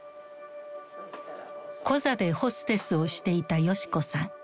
コザでホステスをしていた世志子さん。